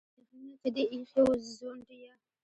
له يخني نه چي دي ا يښي وو ځونډ يه